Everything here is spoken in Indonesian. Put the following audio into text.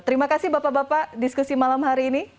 terima kasih bapak bapak diskusi malam hari ini